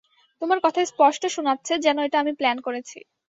তোমার কথায় স্পষ্ট শোনাচ্ছে যেন এটা আমি প্ল্যান করেছি।